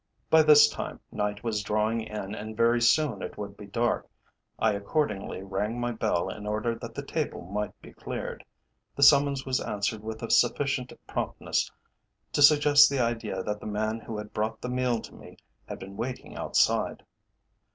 By this time night was drawing in and very soon it would be dark. I accordingly rang my bell in order that the table might be cleared. The summons was answered with a sufficient promptness to suggest the idea that the man who had brought the meal to me had been waiting outside.